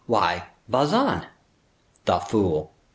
why, Bazin!" "The fool!"